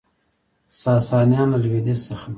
ساسانیان له لویدیځ څخه